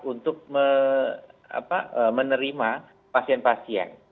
untuk menerima pasien pasien